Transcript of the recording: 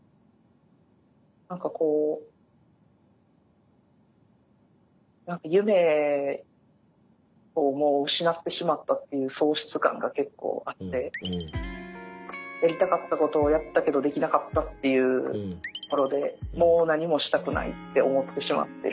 何かこう何か夢をもう失ってしまったっていう喪失感が結構あってやりたかったことをやったけどできなかったっていうところでもう何もしたくないって思ってしまってる。